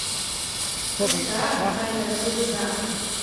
Кушта Пайгат кугыза.